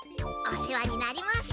お世話になります。